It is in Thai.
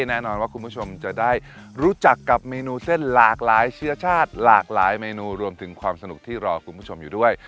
แน่นอนว่าคุณผู้ชมจะได้รู้จักกับเมนูเส้นหลากหลายเชื้อชาติหลากหลายเมนูรวมถึงความสนุกที่รอคุณผู้ชมอยู่ด้วย